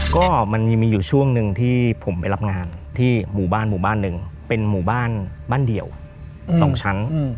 ก็มันมีอยู่ช่วงหนึ่งที่ผมไปรับงานที่หมู่บ้านหมู่บ้านหนึ่งเป็นหมู่บ้านบ้านเดี่ยว๒ชั้น